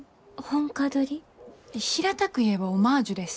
平たく言えばオマージュです。